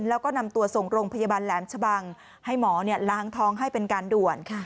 แล้วก็นำตัวส่งโรงพยาบาลแหลมชะบังให้หมอล้างท้องให้เป็นการด่วน